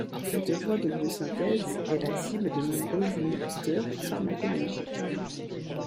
Cette voie de biosynthèse est la cible de nombreux inhibiteurs pharmacologiques.